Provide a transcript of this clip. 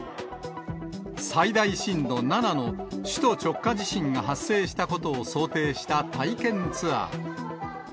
最大震度７の首都直下地震が発生したことを想定した体験ツアー。